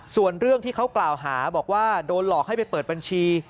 ส่วนเรื่องที่เขากล่าวหาบอกว่าโดนหลอกให้ไปเปิดบัญชี